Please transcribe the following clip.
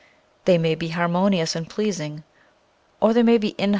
They may be harmo nious and pleasing, or they may be inharmo /]